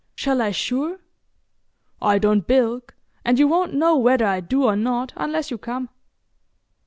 "Shall I sure?" "I don't bilk, and you won't know whether I do or not unless you come.